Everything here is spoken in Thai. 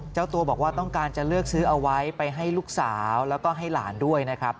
เจ้าตัวบอกว่าต้องการจะเลือกซื้อเอาไว้ไปให้ลูกสาวแล้วก็ให้หลานด้วยนะครับ